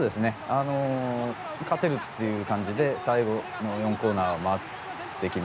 あの勝てるっていう感じで最後の４コーナーを回ってきましたね。